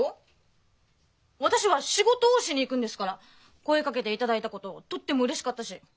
私は仕事をしにいくんですから声かけて頂いたこととってもうれしかったし。